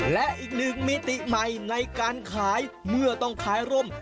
และอีกหนึ่งมิติใหม่ในการขายเมื่อต้องขายร่ม